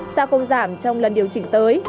sao không giảm trong lần điều chỉnh tới